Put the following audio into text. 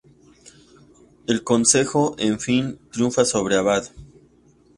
El concejo, en fin, triunfa sobre el abad.